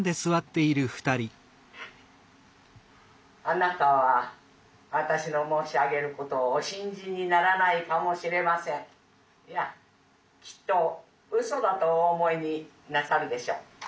「あなたは私の申し上げることをお信じにならないかもしれません。いやきっとうそだとお思いになさるでしょう。